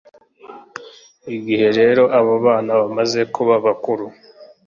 igihe rero abo bana bamaze kuba bakuru